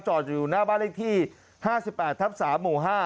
อยู่หน้าบ้านเลขที่๕๘ทับ๓หมู่๕